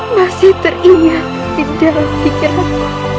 masih teringat di dalam pikiranmu